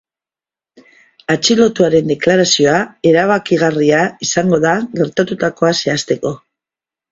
Atxilotuaren deklarazioa erabakigarria izango da gertatutakoa zehazteko.